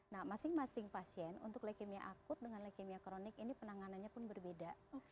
nah masing masing pasien untuk leukemia akut dengan leukemia kronik ini penanganannya pun berbeda